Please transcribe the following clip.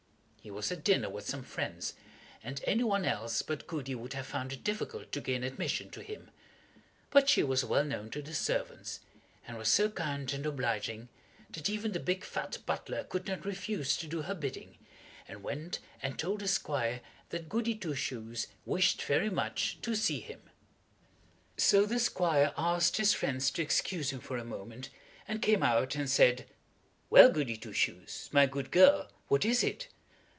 He was at dinner with some friends, and any one else but Goody would have found it difficult to gain admission to him. But she was well known to the servants, and was so kind and obliging, that even the big fat butler could not refuse to do her bidding, and went and told the squire that Goody Two Shoes wished very much to see him. So the squire asked his friends to excuse him for a moment, and came out and said, "Well, Goody Two Shoes, my good girl, what is it?"